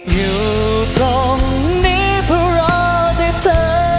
อยู่ตรงนี้เพราะรอแต่เธอ